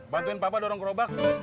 bantuin papa dorong kerobak